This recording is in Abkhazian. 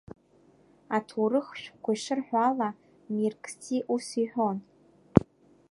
Аҭоурых шәҟәқәа ишырҳәо ала, миркси ус иҳәон…